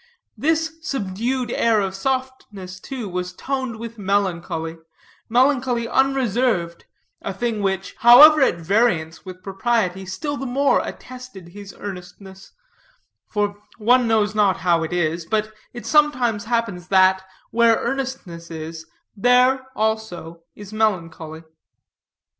This subdued air of softness, too, was toned with melancholy, melancholy unreserved; a thing which, however at variance with propriety, still the more attested his earnestness; for one knows not how it is, but it sometimes happens that, where earnestness is, there, also, is melancholy.